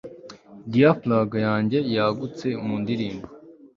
diafragm yanjye yagutse mu ndirimbo